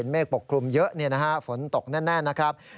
เมฆปกคลุมเยอะฝนตกแน่นะครับ